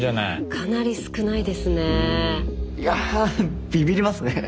かなり少ないですね。